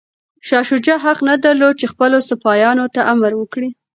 شاه شجاع حق نه درلود چي خپلو سپایانو ته امر وکړي.